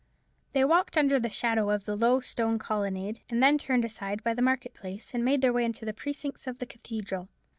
They walked under the shadow of a low stone colonnade, and then turned aside by the market place, and made their way into the precincts of the cathedral.